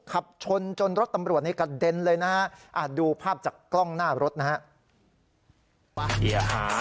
ขับชนจนรถตำรวจในกระเด็นเลยนะฮะดูภาพจากกล้องหน้ารถนะฮะ